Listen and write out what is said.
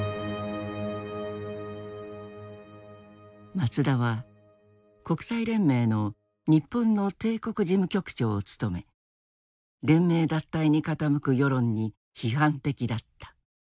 松田は国際連盟の日本の帝国事務局長を務め連盟脱退に傾く世論に批判的だった。